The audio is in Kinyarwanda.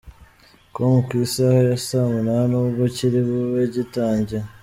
com ku isaha ya saa munani ubwo kiri bube gitangiye.